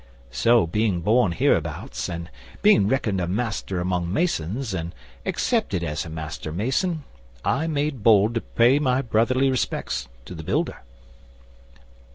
So, being born hereabouts, and being reckoned a master among masons, and accepted as a master mason, I made bold to pay my brotherly respects to the builder.